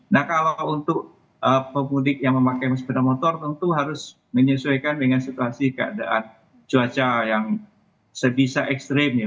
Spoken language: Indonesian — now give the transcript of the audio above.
nah kalau untuk pemudik yang memakai sepeda motor tentu harus menyesuaikan dengan situasi keadaan cuaca yang sebisa ekstrim ya